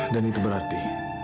dan itu berarti